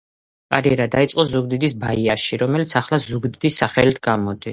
კარიერა დაიწყო ზუგდიდის „ბაიაში“, რომელიც ახლა ზუგდიდის სახელით გამოდის.